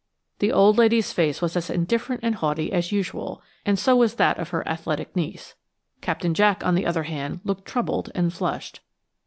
The old lady's face was as indifferent and haughty as usual, and so was that of her athletic niece. Captain Jack, on the other hand, looked troubled and flushed.